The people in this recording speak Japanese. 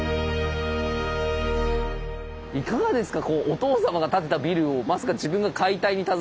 いかがですか？